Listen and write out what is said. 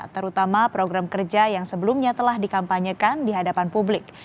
terutama program kerja yang sebelumnya telah dikampanyekan di hadapan publik